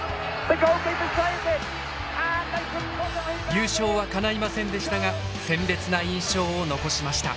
優勝はかないませんでしたが鮮烈な印象を残しました。